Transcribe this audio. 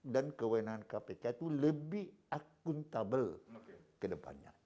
dan kewenahan kpk itu lebih akuntabel ke depannya